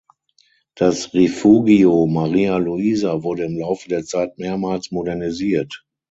Das Rifugio Maria Luisa wurde im Laufe der Zeit mehrmals modernisiert.